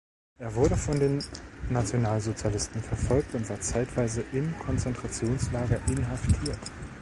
Er wurde von den Nationalsozialisten verfolgt und war zeitweise im Konzentrationslager inhaftiert.